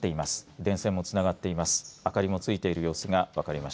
電線もつながっています。